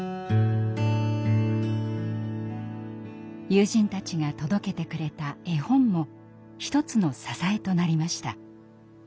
友人たちが届けてくれた絵本も一つの支えとなりました。